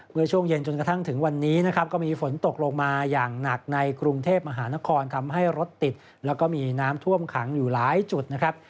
เมื่อช่วงเย็นจนกระทั่งถึงวันนี้นะครับก็มีฝนตกลงมาอย่างหนักในกรุงเทพมหานครทำให้รถติดแล้วก็มีน้ำท่วมขังอยู่หลายจุดนะครับ